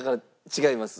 違います